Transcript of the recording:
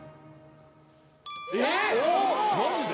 おっマジで？